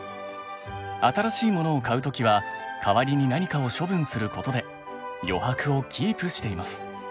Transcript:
新しいものを買う時は代わりに何かを処分することで余白をキープしています。